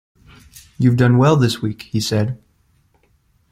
“You’ve done well this week,” he said.